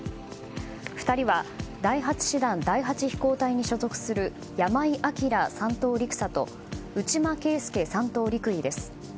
２人は第８師団第８飛行隊に所属する山井陽３等陸佐と内間佳祐３等陸尉です。